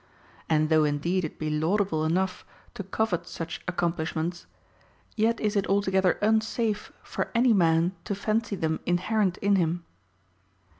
And though indeed it be laudable enough to covet such accomplish ments, yet is it altogether unsafe for any man to fancy them inherent in him.